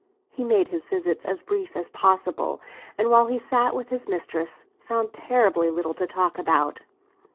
He made his visits as brief as possible, and while he sat with his mistress, found terribly little to talk about.